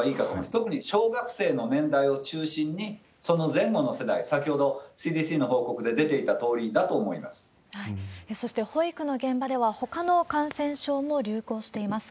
特に小学生の年代を中心に、その前後の世代、先ほどＣＤＣの報告そして保育の現場では、ほかの感染症も流行しています。